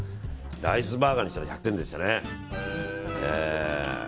ライスバーガーにしたら１００点でしたね。